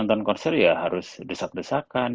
nonton konser ya harus desak desakan